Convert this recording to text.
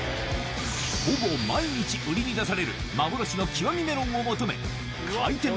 ほぼ毎日売りに出される幻の極メロンを求め開店